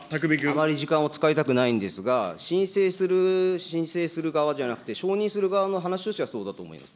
あまり時間を使いたくないんですが、申請する、申請する側じゃなくて、承認する側の話としてはそうだと思います。